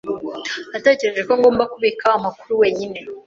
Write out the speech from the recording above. Natekereje ko ngomba kubika amakuru wenyine.